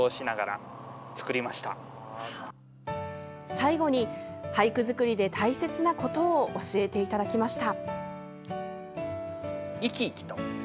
最後に俳句作りで大切なことを教えていただきました。